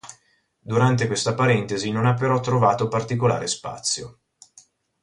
Durante questa parentesi non ha però trovato particolare spazio.